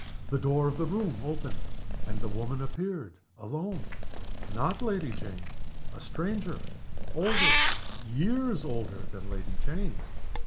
The door of the room opened, and the woman appeared alone. Not Lady Jane. A stranger older, years older, than Lady Jane.